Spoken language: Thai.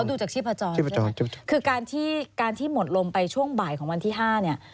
ดูจากชีพจรใช่ไหมคือการที่การที่หมดลมไปช่วงบ่ายของวันที่ห้าเนี่ย